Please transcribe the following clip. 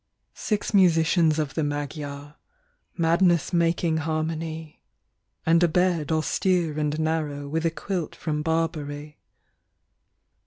Six musicians of the Magyar, Madness making harmony ; And a bed austere and narrow With a quilt from Barbary.